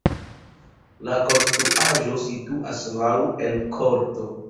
La konstruaĵo situas laŭ en korto.